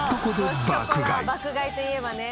爆買いといえばね。